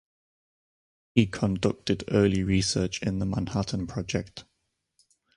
He conducted early research in the Manhattan Project.